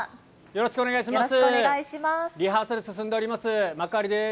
よろしくお願いします。